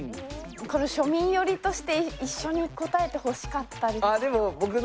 これ庶民寄りとして一緒に答えてほしかった。